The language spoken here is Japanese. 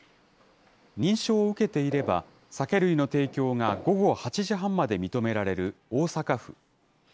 認証を受けていれば、酒類の提供が午後８時半まで認められる大阪府。